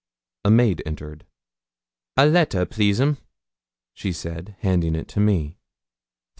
A maid entered. 'A letter, please, 'm,' she said, handing it to me.